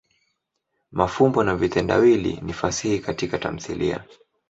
mafumbo na vitendawili ni fasihi Katika tamthilia.